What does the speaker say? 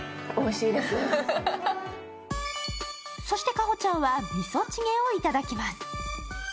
そして夏帆ちゃんはみそチゲをいただきます。